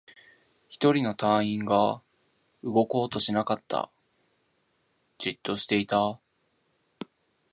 一人の隊員が動こうとしなかった。じっとしていた。